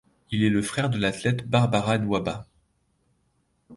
Il est le frère de l'athlète Barbara Nwaba.